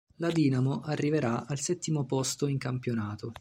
La Dinamo arriverà al settimo posto in campionato.